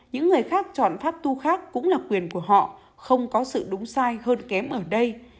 những người khác chọn pháp tu khác cũng là quyền của họ không có sự đúng sai hơn kém ở đây